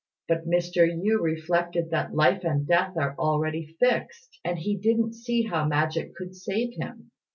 But Mr. Yü reflected that Life and Death are already fixed, and he didn't see how magic could save him.